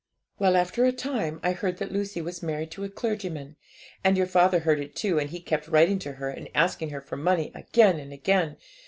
'Well, after a time I heard that Lucy was married to a clergyman, and your father heard it too, and he kept writing to her and asking her for money again and again.